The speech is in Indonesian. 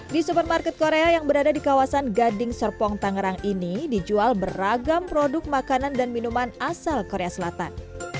di supermarket korea yang berada di kawasan gading serpong tangerang ini dijual beragam produk makanan dan minuman asal korea selatan